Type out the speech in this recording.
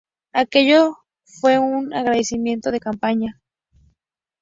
Aquello fue sólo un ofrecimiento de campaña.